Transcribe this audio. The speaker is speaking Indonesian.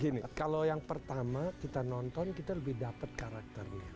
gini kalau yang pertama kita nonton kita lebih dapat karakternya